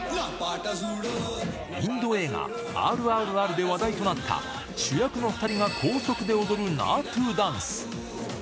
インド映画、ＲＲＲで話題となった、主役の２人が高速で踊るナートゥダンス。